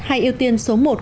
hay ưu tiên số một